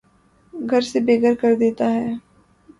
گھر سے بے گھر کر دیتا ہے